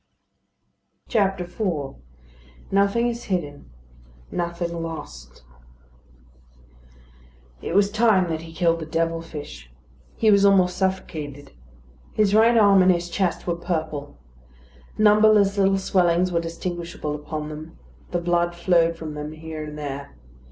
IV NOTHING IS HIDDEN, NOTHING LOST It was time that he killed the devil fish. He was almost suffocated. His right arm and his chest were purple. Numberless little swellings were distinguishable upon them; the blood flowed from them here and there.